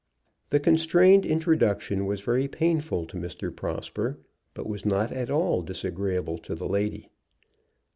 The constrained introduction was very painful to Mr. Prosper, but was not at all disagreeable to the lady.